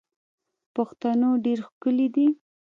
پښتو ډیر ښکلی دی.